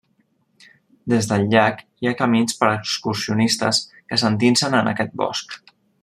Des del llac hi ha camins per excursionistes que s'endinsen en aquest bosc.